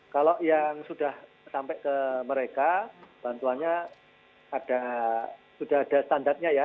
kalau yang sudah sampai ke mereka bantuannya sudah ada standarnya ya